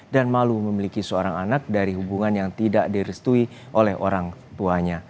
dan malu memiliki seorang anak dari hubungan yang tidak direstui oleh orang tuanya